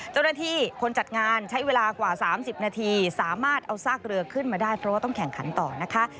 เจ้าหน้าที่คนจัดงานใช้เวลากว่า๓๐นาทีสามารถเอาซากเรือขึ้นมาได้เพราะว่าต้องแข่งขันต่อนะคะ